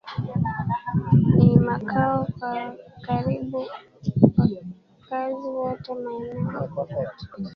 ni makao kwa karibu wakazi wote Maeneo haya ni